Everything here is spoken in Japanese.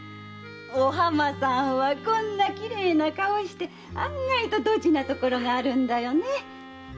お浜さんはこんな綺麗な顔して案外とドジなところがあるんだよね。